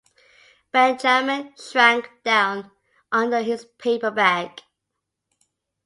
Benjamin shrank down under his paper bag.